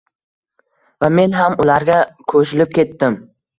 Va men ham ularga ko‘shilib ketdim.